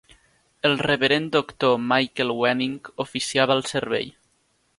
El reverend doctor Michael Wenning oficiava el servei.